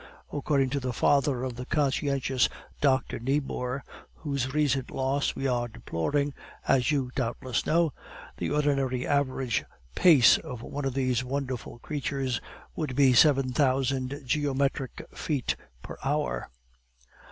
According to the father of the conscientious Doctor Niebuhr, whose recent loss we are deploring, as you doubtless know, the ordinary average pace of one of these wonderful creatures would be seven thousand geometric feet per hour.